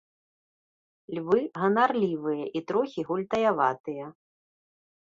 Львы ганарлівыя і трохі гультаяватыя.